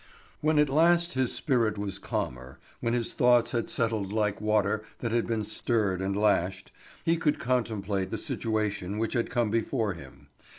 When at last his spirit was calmer, when his thoughts had settled like water that has been stirred and lashed, he could contemplate the situation which had come before him.